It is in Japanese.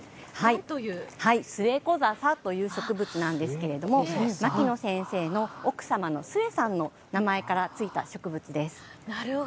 スエコザサという植物なんですけれども牧野先生の奥様の壽衛さんの名前の付いた植物です。